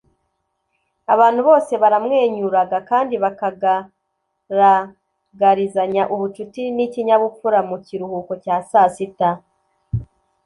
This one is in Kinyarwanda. Abantu bose baramwenyuraga kandi bakagaragarizanya ubucuti n ikinyabupfura mu kiruhuko cya saa sita